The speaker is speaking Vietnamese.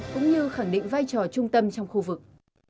cũng như khẳng định vai trò trung tâm trong khu vực